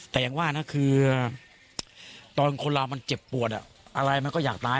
แต่อย่างว่านะคือตอนคนเรามันเจ็บปวดอะไรมันก็อยากตาย